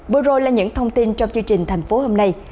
vừa rồi là những thông tin trong chương trình thành phố hôm nay